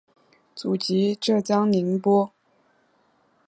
祖籍浙江宁波。